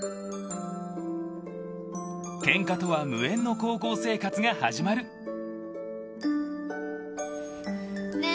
［ケンカとは無縁の高校生活が始まる］ね